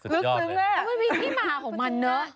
สุดยอดเลยมันมีที่มาของมันเนอะ